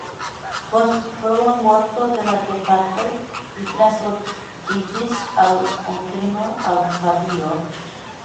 Post frua morto de la gepatroj li transloĝiĝis al onklino al Pavio.